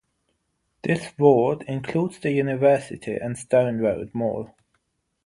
This ward includes the University and Stone Road Mall.